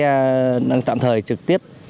đăng ký xe đăng ký tạm thời trực tiếp